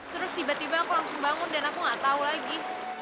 terus tiba tiba aku langsung bangun dan aku nggak tahu lagi